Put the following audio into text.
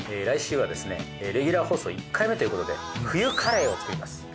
来週はですねレギュラー放送１回目ということで冬カレーを作ります。